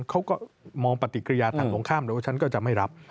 เขาก็มองปฏิกิริยาทางตรงข้ามเลยว่าฉันก็จะไม่รับ